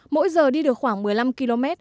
mỗi giờ đi được khoảng một mươi năm km